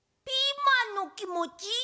ピーマンのきもち！